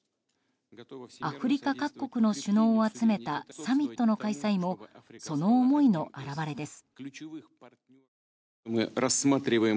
アフリカ各国の首脳を集めたサミットの開催もその思いの表れです。